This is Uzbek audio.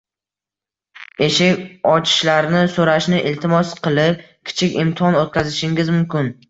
eshik ochishlarini so‘rashini iltimos qilib, kichik imtihon o‘tkazishingiz mumkin.